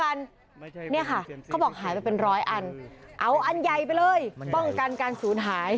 ไม่ใช่เป็นเซียมซีเนี่ยค่ะเขาบอกหายไปเป็นร้อยอันเอาอันใหญ่ไปเลยมันใหญ่ป้องกันการสูญหาย